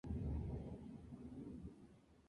Fue Ministra de Industria, Energía y Minería del Uruguay.